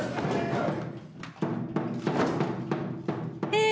え！